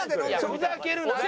ふざけるなって。